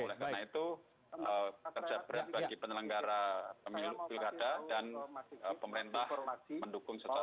jadi ini berdarah bagi penyelenggara pilkada dan pemerintah mendukung secara optimal